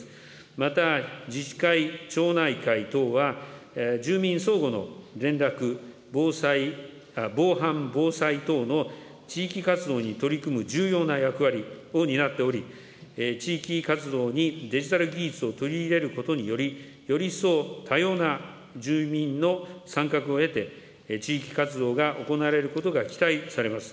また自治会、町内会等は、住民相互の連絡、防犯、防災等の地域活動に取り組む重要な役割を担っており、地域活動にデジタル技術を取り入れることにより、より一層、多様な住民の参画を得て、地域活動が行われることが期待されます。